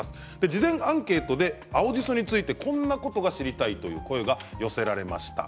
事前アンケートで青じそについてこんなことが知りたいという声が寄せられました。